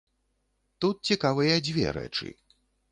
Тут цікавыя дзве рэчы.